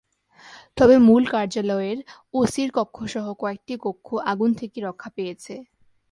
তবে মূল কার্যালয়ের ওসির কক্ষসহ কয়েকটি কক্ষ আগুন থেকে রক্ষা পেয়েছে।